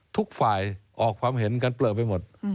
ทุกฝ่ายออกความเห็นกันเปลือไปหมด